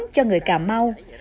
cho người cà mau